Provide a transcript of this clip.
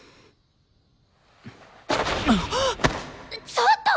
ちょっと！